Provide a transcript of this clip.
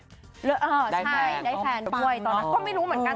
ใช่ได้แฟนด้วยตอนนั้นก็ไม่รู้เหมือนกัน